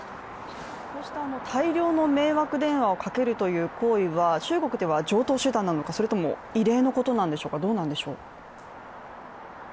こうした大量の迷惑電話をかけるという行為は中国では常套手段なのかそれとも異例のことなんでしょうか。